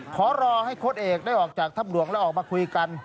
ขอรอให้โค้ดเอกได้ออกจากถ้ำหลวงแล้วออกมาคุยกัน